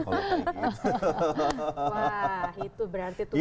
wah itu berarti tuh saya bikin apa lagi